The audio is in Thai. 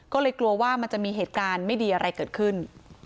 ก็เลยกลัวว่ามันจะมีเหตุการณ์ไม่ดีอะไรเกิดขึ้น